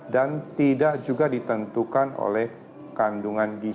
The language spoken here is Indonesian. dan tidak juga ditentukan oleh kandungan gizi